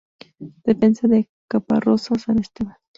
Defensa de Caparroso, San Esteban.